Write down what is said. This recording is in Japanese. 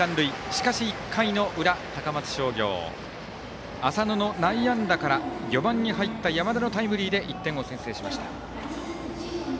しかし、１回の裏、高松商業浅野の内野安打から４番に入った山田のタイムリーで１点を先制しました。